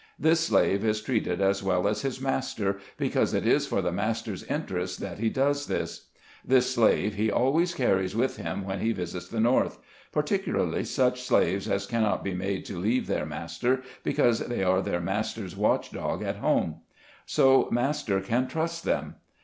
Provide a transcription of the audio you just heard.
This slave is treated as well as his master, because it is for the master's interest that he does SLAVES ON THE PLANTATION. 161 this. This slave he always carries with him when he visits the North ; particularly such slaves as can not be made to leave their master, because they are their master's watch dog at home. So master can trust them.